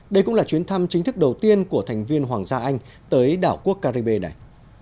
đây cũng là chuyến thăm chính thức đầu tiên của thành viên hoàng gia anh tới đảo quốc caribe này